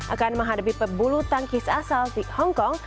akan menghadapi pebulu tangkis asal di hongkong